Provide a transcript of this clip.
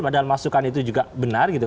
padahal masukan itu juga benar gitu